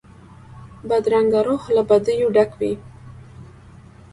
بدرنګه روح له بدیو ډک وي